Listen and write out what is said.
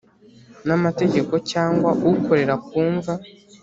N amategeko cyangwa ukorera ku mva